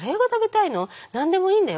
何でもいいんだよ。